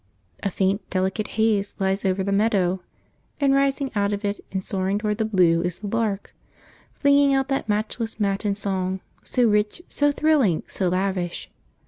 A faint delicate haze lies over the meadow, and rising out of it, and soaring toward the blue is the lark, flinging out that matchless matin song, so rich, so thrilling, so lavish!